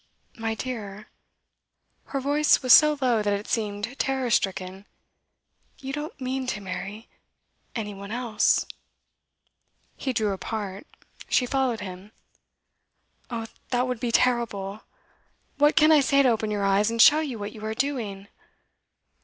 'My dear,' her voice was so low that it seemed terror stricken, 'you don't mean to marry any one else?' He drew apart, she followed him. 'Oh, that would be terrible! What can I say to open your eyes and show you what you are doing?